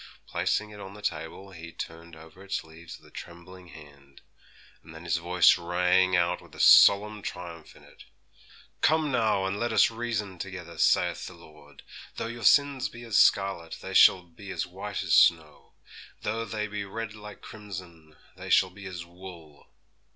Placing it on the table, he turned over its leaves with a trembling hand; and then his voice rang out with a solemn triumph in it, '"Come, now, and let us reason together, saith the Lord: though your sins be as scarlet, they shall be as white as snow; though they be red like crimson, they shall be as wool."